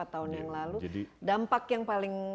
empat tahun yang lalu dampak yang paling